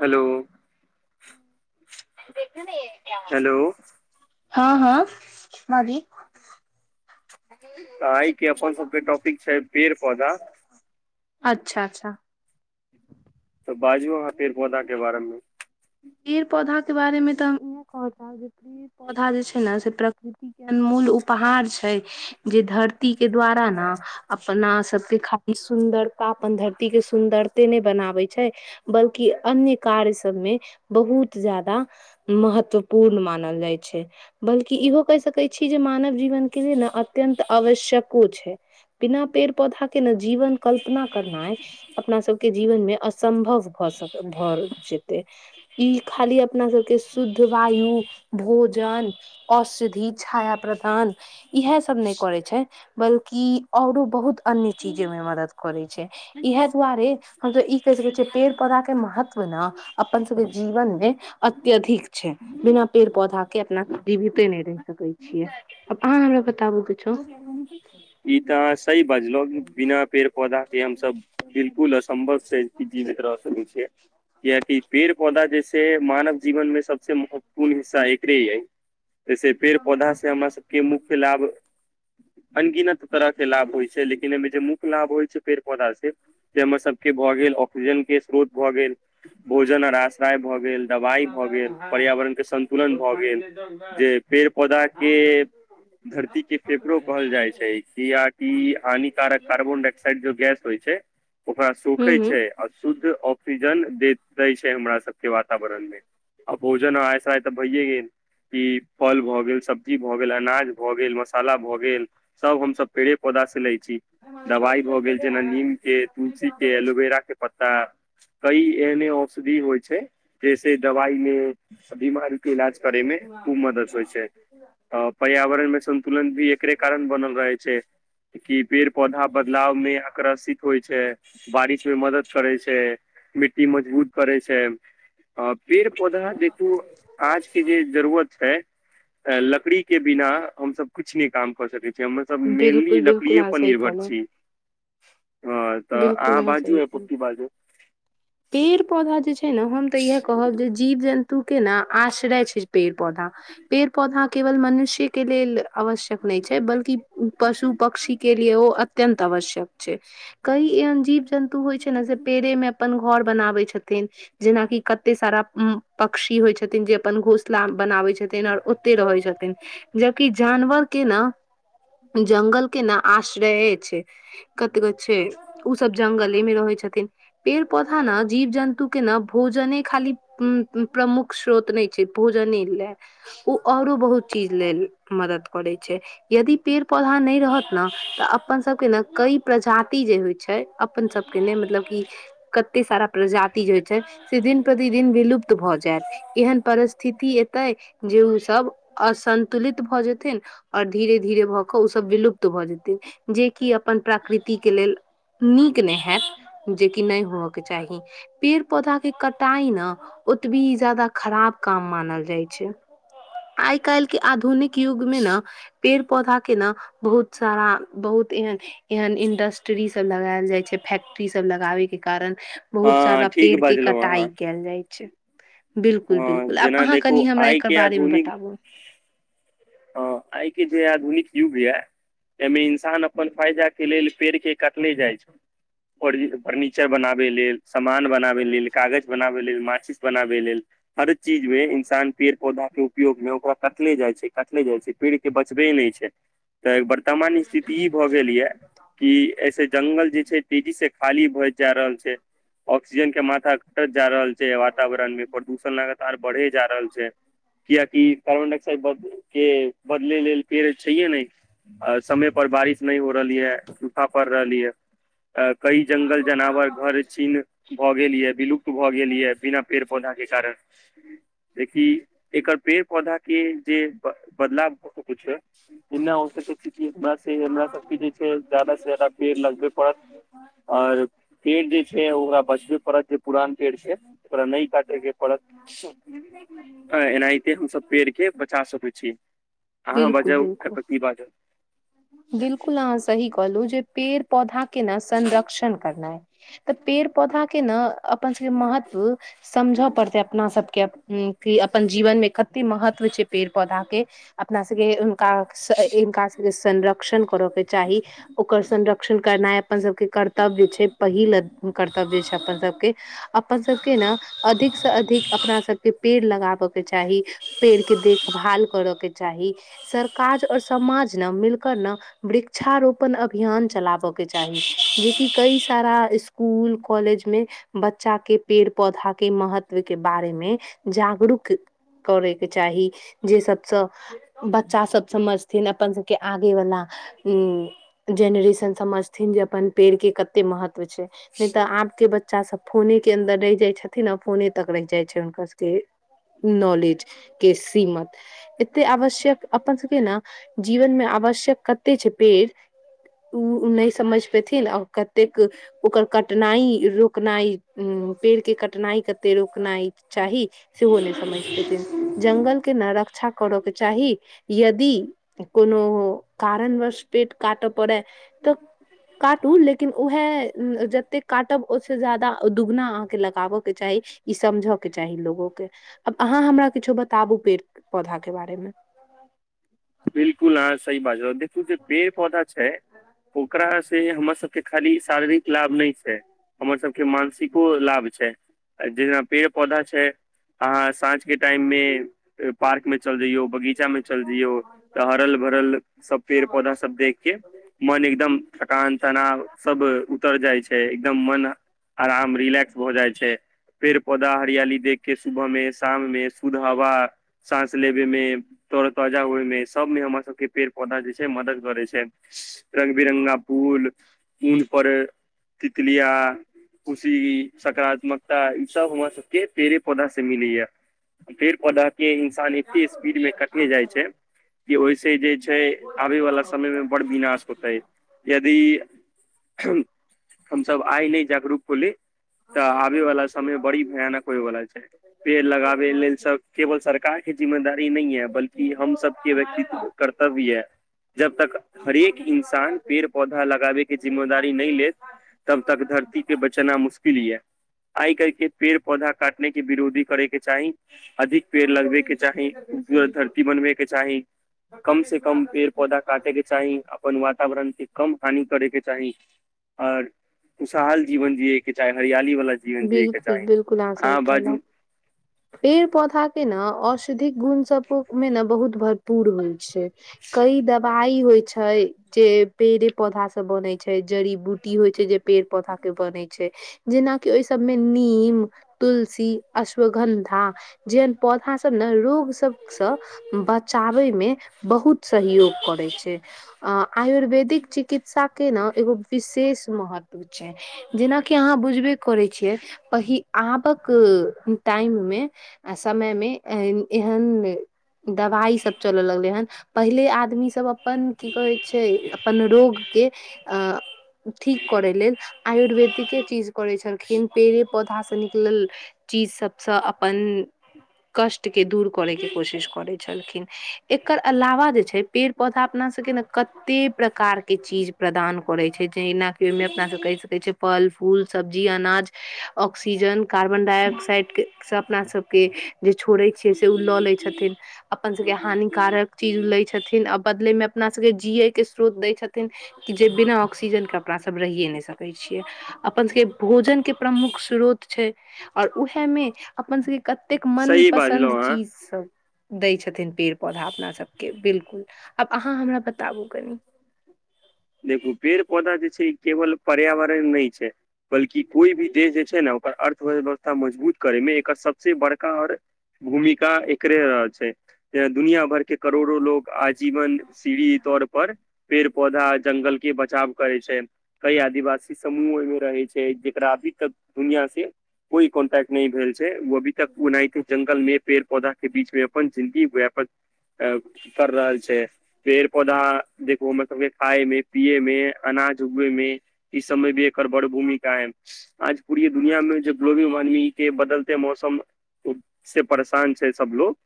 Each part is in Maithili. हलो हेलो हँ हँ माँ जी तऽ आय के अप्पन सबके टॉपिक छै पेड़ पौधा अच्छा अच्छा तऽ बाजू अहाँ पेड़ पौधा के बारे मे पेड़-पौधा के बारे में तऽ हम इहो कहऽ चाहब जे पेड़ पौधा जे छै ने से प्रकृतिकके अनमोल उपहार छै जे धरती के द्वारा नऽ अपना सभके खाली सुन्दरता अपन धरतीके सुन्दरते नै बनाबै छै बल्कि अन्य कार्य सबमे बहुत जादा महत्वपूर्ण मानल जाइ छै बल्कि इहो कैह सकै छी जे मानव जीवन के लिए नऽ अत्यन्त आवश्यकको छै बिना पेड़ पौधा के ने जीवन कल्पना करनाय अपना सबके जीवन मे असम्भव भऽ सकऽ भऽ जेतै ई खाली अपना सबके शुद्ध वायु भोजन औषधि छाया प्रदानऽ इहे सब नै करै छै बल्कि औरो बहुत अन्य चीजे में मदद करे छै इहे दुआरे हमसब ई कैह सकै छियै पेड़ पौधा के महत्व न अपन जीवन मे अत्यधिक छै बिना पेड़ पौधा के अपना जीविते नै रैह सकैत छियै आब अहाँ हमरा बताबू किछो पी [inaudible] ई तऽ अहाँ सही बजलौं बिना पेड़ पौधा के हमसब बिल्कुल असंभव छै कि जीवीत रह सकै छियै कियाकि पेड़ पौधा जैसे मानव जीवन में सबसे महत्वपूर्ण हिस्सा एकरे यै जैसे पेड़ पौधा सेऽ हमरा सबके मुख्यऽ लाभ अगिनत तरह के लाभ होइ छै लेकिन एहिमे जे मुख्य लाभ होइ छै पेड़ पौधा सेऽ जे हमर सबके भऽ गेल ऑक्सीजन के स्त्रोत भऽ गेल भोजन आर आश्रय भऽ गेल दवाइ भऽ गेल पर्यावरण के संतुलन भऽ गेल जे पेड़ पौधा के धरती के फेफड़ो कहल जाय छै कि कियाकि हानिकारक कार्बन डाईक्साइड जो गैस होय छै ओकरा हूँ सोखै हूँ छै अ शुद्ध ऑक्सीजन दे दै छै हमरा सबके वातावरण मे औ भोजन आश्रय तऽ भैए गेल ई फल भऽ गेल सब्जी भऽ गेल अनाज भऽ गेल मसाला भऽ गेल सब हमसब पेड़े पौधा से लय अ छी दवाई भऽ गेल जेना नीम के तुलसी के एलोवेरा के पत्ता कई एहने औषधि होइ छै जैसे दवाई मे स बीमारी के इलाज करै मे खूब मदद होइ छै तऽ पर्यावरण मे संन्तुलन भी एकरे कारण बनल रहै छै कि पेड़-पौधा बदलाव में आक्रशित होइ छै बारिश मे मदद करै छै मिट्टी मजबूत करै छै अ पेड़-पौधा देखू आज के जे जरूरत छै अ लकड़ी के बिना हमस कुछ नै काम क सकै छी हमर सभ मेनली बिल्कुल बिल्कुल लकड़िये अहाँ पर सही निर्भर कहलौं छी हँ तऽ बिल्कुल अहा अहाँ बाजू सही एह कहलौं पर की बाजू पेड़ पौधा जे छै ने हम तऽ इहे कहब जे जीव जन्तु के ने आश्रय छै पेड़ पौधा पेड़ पौधा केवल मनुष्ये के लेल आवश्यक नै छै बल्कि पशु पक्षी के लिए ओ अत्यन्त आवश्यक छै कई एहन जीव जन्तु होइ छै न जे पेड़े मे अपन घर बनाबै छथिन जेनाकि कते सारा पक्षी होइ छथिन जे अपन घोसला बनाबै छथिन आओर ओते रहै छथिन जबकि जानवर के न जंगल के न आश्रय छै कतई कहै छै उ सब जंगले मे रहै छथिन पेड़ पौधा न जीव जन्तु के न भोजने खाली प्रमुख श्रोत नै छै पूजन इला ओ आओरो बहुत चीज लेल मदद करै छै यदि पेड़ पौधा नै रहत न तऽ अपन सबके न कई प्रजाति जे होइ छै अपन सब के नै मतलब कि कते सारा प्रजाति जे होइ छै से दिन प्रतिदिन विलुप्त भऽ जायत एहन परिस्थिति एतय जे उन सब असन्तुलित भए जेथिन आओर धीरे धीरे भऽ कऽ उ सब विलुप्त भऽ जेथिन जेकि अपन प्राकृतिक के लेल नीक नै हयत जेकि नै होयके चाही पेड़ पौधाके कटाई न ओतबी ई जादा खराब काम मानल जाइ छै आइ काल्हि के आधुनिक युग मे न पेड़ पौधा के न बहुत सारा बहुत एहन एहन इंडस्ट्री सब लगायल जाइ छै फैक्ट्री सब लगाबै के कारण बहुत हँ जादा ठीक पेड़ के बाजलहुँ अहाँ कटाई कयल जाइ छै अ, बिल्कुल बिल्कुल आब जेना अहाँ देखू कनि हमरा आइ एकर के बारेमे बताबु हँ आइ के जे आधुनिक युग य एईमे इंसान अपन फायदा के लेल पेड़ के कटले जाइ छै आओर ई फर्नीचर बनाबै लेल सामान बनाबै लेल कागज बनाबै लेल माचिस बनाबै लेल हर चीज मे इन्सान पेड़ पौधाक के उपयोग मे ओकरा कटले जाइ छै कटले जाइ छै पेड़ के बचबे नै छै तऽ वर्तमान स्थिति ई भऽ गेलै याऽ कि ऐसे जंगल जे छै तेजी से खाली भए जा रहल छै ऑक्सीजन के माथा घटत जा रहल छै वातावरण मे प्रदूषण लगातार मे बढ़े जा रहल छै किआकि कार्बन डाइऑक्साइड के बदलै लेल पेड़ छैये नै आ समय पर बारिश नै हो रहली है सूखा पड़ रहली हे अ त कई जंगल जानावर घर छीन भए गेल ये विलुप्त भए गेल ये बिना फेर बौना के कारण देखि एकर पेड़ पौधा के जे बदलाव कुछ बिना हो सकेै स्थिति एक बार से [unintelligible] हमरा सबके जे छै जादा से जादा पेड़ लगबै पड़त आओर पेड़ जे छै ओकरा बचबे पड़त जे पुरान पेड़ छै ओकरा नई कटयके पड़त एनाहिते हमसब पेड़ के बचा सकै छी अहाँ बिल्कुल बजाउ आई बिल्कुल प्रतिभा के बिल्कुल आहाँ सही कहलू जे पेड़ पौधा के न संरक्षण करनाय तऽ पेड़ पौधा के न अपन सबके महत्व समझऽ पड़तै अपना सबके कि अपन जीवन मे क एते महत्व होय छै पेड़ पौधा के अपना सबके हीनका इनका सब संरक्षण करऽ के चाही ओकर संरक्षण करनाइ अपन सबके कर्तव्य छै पहिल कर्तव्य छै अपन सबके अपन सबके न अधिक से अधिक अपना सबके पेड़ लगाबके चाही पेड़ केँ देखभाल कर कऽ चाही सरकार और समाज ने मिल क न वृक्षारोपण अभियान चलाब कऽ चाही जेकि कई सारा इसकुल कॉलेज में बच्चा केँ पेड़ पौधा केँ महत्व केँ बारे में जागरूक करै केँ चाही जे सब स बच्चा सभ समझथिन अपन सभ केँ आबै वला [unintelligible] जेनरेशन समझथिन जे अपन पेड़ केँ कते महत्व होइ छै नै तऽ आब केँ बच्चा सब फोने केँ अन्दर रैह जय छथिन आ फोने तक रैह जय छै हुनकर सब केँ नॉलेज केँ सीमत एते आवश्यक अपन सब केँ न जीवन में आवश्यक कते छै पेड़ उऽ उऽ नै समझ पेथिन आ कतेक ओकर कठिनाइ रोकनाइ उ पेड़ केँ कठिनाइ कते रोकनै चाही से ओ नै समझ पेथिन जंगल केँ नै र क्षा कर केँ चाही यदि कोनो कारण वश पेट काटऽ पड़ै तऽ काटू लेकिन उहै जते काटब ओ से जादा दुगुना अहाँकेँ लगाब केँ चाही ई समझ केँ चाही लोगो केँ आब अहाँ हमरा किछो बताबू पेड़ पौधा केँ बारे में [inaudible] बिल्कुल अहाँ सही बाजलौ देखियै जे पेड़ पौधा छै ओकरा से हमर सब केँ खाली शारीरिक लाभ नै छै हमर सब केँ मानसिको लाभ छै जेना पेड़ पौधा छै अहाँ साँझ केँ टाइम में पार्क में चल जइयो बगीचा में चल जइयो तऽ हरल भरल सब पेड़ पौधा सब देख केँ मन एकदम थकान तना सब उतर जाइ छै एकदम मन आराम रिलैक्स भऽ जाइ छै पेड़ पौधा हरियाली देख केँ सुबह में शाम में शुद्ध हवा सास लेबे में तोर ताजा ओहिमे सब में हमर सब केँ पेड़ पौधा जे छै मदद करे छै रंग बिरंगा फूल [inaudible] फूल पर तितलिया खुशी सकारात्मकता ई सब हमरा सब पेड़े पौधा से मिले या [inaudible] पेड़ पौधा कें इंसान एते स्पीड में कटने जाइ छै कि ओइसे जे छै आबे वला समय में बड़ विनाश होतै यदि [unintelligible] हमस आइ नै जागरूक होली तऽ आबे वाला समय बड़ी भयानक होइवला छै पेड़ लगाबे लेल सब केवल सरकार केँ जिम्मेदारी नै या बल्कि हम सब केँ व्यक्तित्व कर तब या [inaudible] जब तक हरेक इन्सान पेड़ पौधा लगाबै केँ जिम्मेदारी नै लेत तब तक धरती केँ बचना मुश्किल यऽ आइ कैल पेड़ पौधा काटने केँ विरोध [unintelligible] करेके चाही अधिक पेड़ लगबे केँ चाही उपजाऊ धरती बनबे केँ चाही कम से कम पेड़ पौधा काटे केँ चाही अपन वातावरण केँ कम हानि करेके चाही अर [inaudible] खुशहाल जीवन जिए केँ चाहे हरियाली वाला जीवन जियैके बिल्कुल चाही बिल्कुल अहाँ सही कहलो पेड़ पौधा केँ न औषधिक गुण सब में न बहुत भर पूर होइ छै कई दवा -ई होइ छै जे पेड़े पौधा स बनै छै जड़ी बूटी होइ छै जे पेड़ पौधा केँ बनै छै जेनाक केँ ओइ सब में नीम तुलसी अश्वगन्धा जेहन पौधा सब ने रोग सबसँ बचाबे मे बहुत सहयोग करैछै अ आयुर्वेदिक चिकित्सा के ने एगो विशेष महत्व छै जेनााकि अहाँ बुझबे करै छियै वही आबक टाइम मे आ समय में एम एहन। दबाइ सब चल लगलै ए हन पहिले आदमी सब अपन की कहै। छै य, अपन रोग के अऽ ठीक करै लेल आयुर्वेदिके चीज करै छल खिन पेड़े पौधा से निकलल, चीज सब। सँ अपन, कष्ट के दुर करे के कोशिश करै छल। खिन एकर अलावा जे छै पेड़ पौधा अपना सबके न कते प्रकार के चीज। प्रदान करै छै जैनाह कऽ ओयमे अ -पना सब कहि सकै छ फल-फूल सब्जी-अनाज ऑक्सीजन, कार्बन डाइऑक्साइड के। स अपना सबके जे छोड़ै छियै से ओ लऽ लै छथिन। अपन सबके हानिकारक चीज लै छथिन आ बदले में अपना सबके जिये के स्रोत दै छथिन। थिन जे बिना ऑक्सीजन के अपना सब रहिए नैय सकै छियै अपन सब। भोजन के प्रमुख स्रोत छैय। और उहै में अपन सब के कतेक मन सही पसन्द बाजलहुँ अहाँ चीज सब। दैय छथिन पेड़ पौधा अपना सबके बिल्कुल आब अहाँ हमरा बताबु कनि। देखु पेड़ पौधा जे छै केवल पर्यावरण नैय छै। बल्कि कोई भी देश जै छैय नैय ओकर अर्थव्यवस्था मजबूत करै में एकर सबसे बड़का और। भूमिका एकरे रहछै दुनिया भर कऽ करोड़ो लोग आ जीवन सीरी तौर पर, पेड़ पौधा जंगल के बचाव करै छै। कई आदिवासी समूह ऐमे रहै छै जेकरा अभी तक दुनिआ से कोई कॉन्टैक्ट नैय भेल छै, ओ अभी तक ओनाहिते जंगल में पेड़ पौधा के बीच में अपन। जिन्दगीव्यापक। अ ब कर रहल छै पेड़ पौधा देखु हमर सबके आय मे। पिये में अनाज उगबै में ई सब में भी एकर बड़ भूमिका है। आज पुरी दुनिया में जो ग्लोबल वार्मिंग के बदलते मौसम। उपसँ परेशान छै सबलोग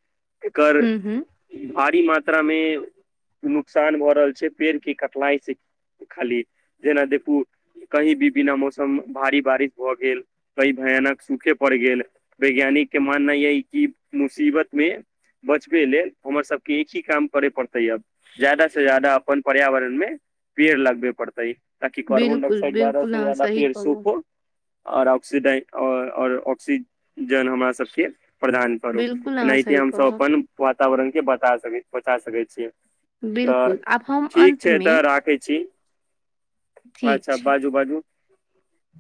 एकर हूँ हूँ भारी मात्रा में नुकसान भऽ रहल छैय पेड़ के काटनाय। जेखाली जेना देखू कहीं भी बिना मौसम बारी बारिश भ गेल। कई भयानक सुखे पड़ गेल, वैज्ञानिक के मान नाय यही कि मुसीबत में। बचबे लेल हमर सब के, एक ही काम करे पड़तै अब। ज्यादा से जादा अपन पर्यावरण मे पेड़, लगबे पड़तैय। ता कि कार्बन बिल्कुल डइऑकसाइड ज्यादा बिल्कुल से अहाँ ज्यादा सही पेड़ कहलहुँ सोखो। औरऑक्सीडैन अ और ऑक्सीजन हमरा सबके प्रधान करु बिल्कुल अहाँ तनाहिते सही हम सब कहलहुँ अपन वातावरण के बता स कै छि बचा सकै छियै। बिल्कुल आब हम तऽठिक छै अन्तमे त राखै छी ठीक अच्छा छै बाजु बाजु।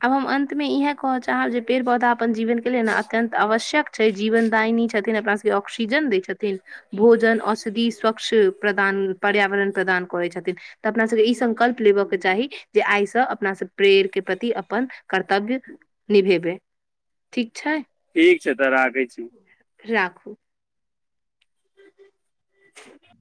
आब हम अंत में इहें कह चाहब जैय पेड़ पौधा आब। अपन जीवन के लेल न अत्यंत आवश्यक छै, जीवनदायनी छथिन अपना सबके ऑक्सीजन दैय छथिन। भोजन औषधि स्वच्छ प्रदान पर्यावरण प्रदान करै छथिन। तऽ अपना सबके ई संकल्प लेब के चाही जे आइसँ अपना सब पेड़ के प्रति अपन कर्तव्य। निभेवैय ठिक छै। ठिक छैय तराखै छी। राखु। [unintelligible]